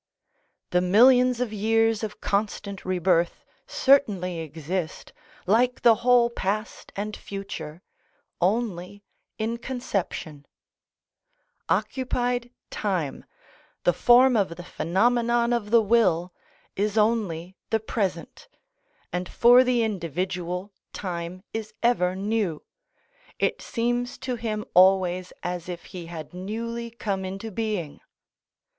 The millions of years of constant rebirth certainly exist, like the whole past and future, only in conception; occupied time, the form of the phenomenon of the will, is only the present, and for the individual time is ever new: it seems to him always as if he had newly come into being.